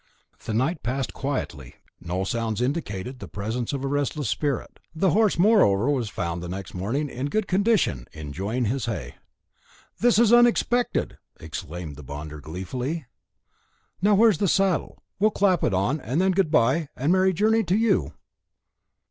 The night passed quietly, and no sounds indicated the presence of a restless spirit. The horse, moreover, was found next morning in good condition, enjoying his hay. "This is unexpected!" exclaimed the bonder, gleefully. "Now, where's the saddle? We'll clap it on, and then good bye, and a merry journey to you."